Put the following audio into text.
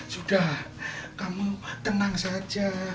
sudah kamu tenang saja